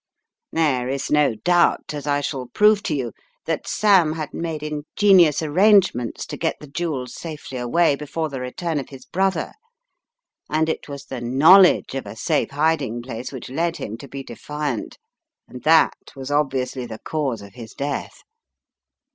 There is no doubt, as I shall prove to you, that Sam had made ingenious arrangements to get the jewels safely away before the return of his brother, and it was the knowl edge of a safe hiding place which led him to be defi ant, and that was obviously the cause of his death.